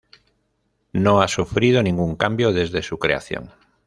No ha sufrido ningún cambio desde su creación.